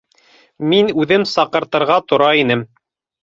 Мин үҙем саҡыртырға тора инем.